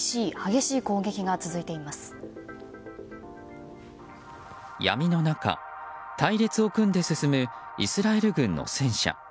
現地では闇の中、隊列を組んで進むイスラエル軍の戦車。